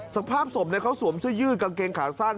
สภาพศพเขาสวมเสื้อยืดกางเกงขาสั้น